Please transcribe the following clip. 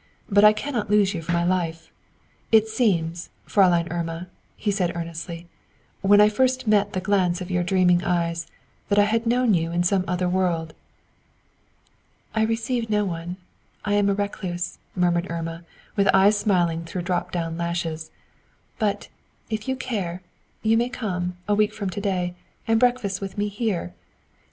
But I cannot lose you from my life. It seemed, Fräulein Irma," he said, earnestly, "when I first met the glance of your dreaming eyes, that I had known you in some other world." "I receive no one; I am a recluse," murmured Irma, with eyes smiling through down dropped lashes; "but, if you care, you may come, a week from to day, and breakfast with me here!